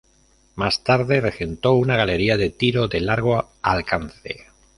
Más tarde regentó una galería de tiro de largo alcance.